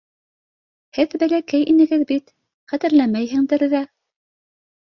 Һеҙ бәләкәй инегеҙ бит, хәтерләмәйһеңдер ҙә.